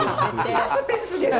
サスペンスですか？